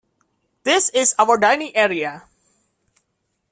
This is our dining area.